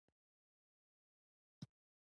هغه کله د حساب لري حاجت.